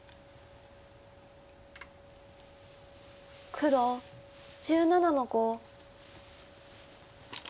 黒１７の五。